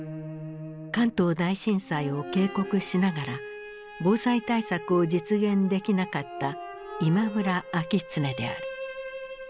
関東大震災を警告しながら防災対策を実現できなかった今村明恒である。